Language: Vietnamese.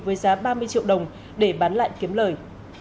với giá ba mươi triệu đồng để bán lại kiếm lời